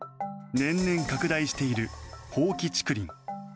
年々、拡大している放棄竹林。